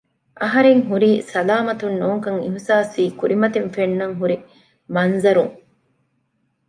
އަހަރެން ހުރީ ސަލާމަތުން ނޫންކަން އިހުސާސްވީ ކުރިމަތިން ފެންނަން ހުރި މަންޒަރުން